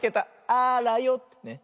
あらよってね。